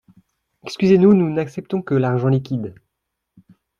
Excusez-nous, nous n’acceptons que l’argent liquide.